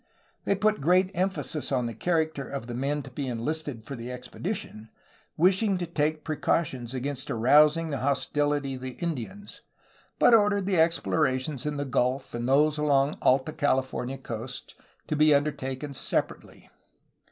They put great emphasis on the character of the men to be enlisted for the expedition, wishing to take precautions against arousing the hostility of the Indians, but ordered the explorations in the gulf and those along the Alta CaUfornia coasts to be undertaken separately.